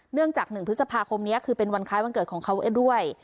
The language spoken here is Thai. เนื่องจาก๑พฤษภาคมนี้คือเป็นวันคล้ายวันเกิดของเขาด้วย